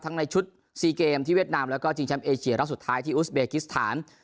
ในชุดซีเกมที่เวียดนามแล้วก็ชิงแชมป์เอเชียรอบสุดท้ายที่อุสเบกิสถาน